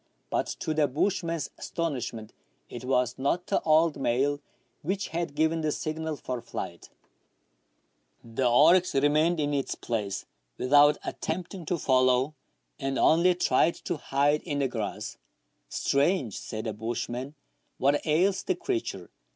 But to the bushman's astonishment it was not the old male which had given the signal for flight. 152 MERIDIANA; THE ADVENTURES OF The oryx remained in its place, without attempting to fol low, and only tried to hide in the grass. Strange," said the bushman ;" what ails the creature